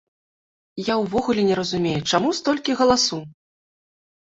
Я ўвогуле не разумею, чаму столькі галасу?